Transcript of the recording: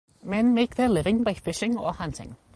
Men make their living by fishing or hunting.